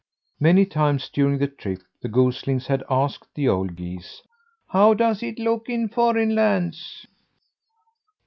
Many times during the trip the goslings had asked the old geese: "How does it look in foreign lands?"